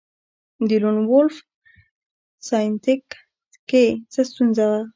د لون وولف ساینتیک کې څه ستونزه ده